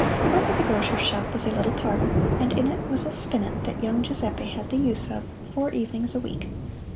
Over the grocer's shop was a little parlor, and in it was a spinet that young Giuseppe had the use of four evenings a week.